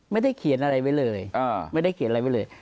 ไม่ได้เขียนอะไรไว้เลยไม่ได้เขียนอะไรไว้เลย